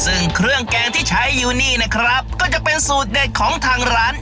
ซึ่งเครื่องแกงที่ใช้อยู่นี่นะครับก็จะเป็นสูตรเด็ดของทางร้าน